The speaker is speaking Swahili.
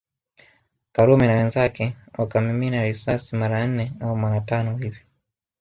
Karume na wenzake wakamimina risasi mara nne au mara tano hivi